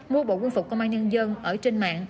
mua bộ quân phục công an nhân dân ở trên mạng